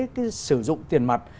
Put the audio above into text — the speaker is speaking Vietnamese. cái sử dụng tiền mặt